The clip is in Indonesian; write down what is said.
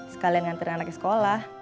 sekalian nganterin anaknya ke sekolah